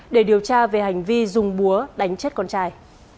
để điều tra về hành vi dùng búa đánh chết con trai